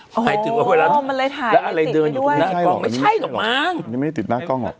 อ๋อมันเลยถ่ายไม่ติดไปด้วยไม่ใช่หรอกนี่ไม่ติดหน้ากล้องหรอก